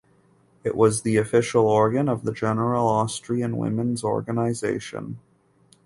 It was the official organ of the General Austrian Women’s Organization.